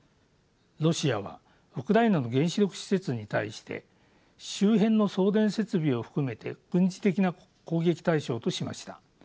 ロシアはウクライナの原子力施設に対して周辺の送電設備を含めて軍事的な攻撃対象としました。